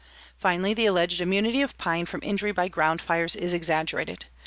Finally, the alleged immunity of pine from injury by ground fires is exaggerated.